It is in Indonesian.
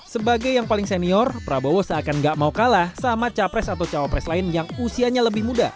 sebagai yang paling senior prabowo seakan gak mau kalah sama capres atau cawapres lain yang usianya lebih muda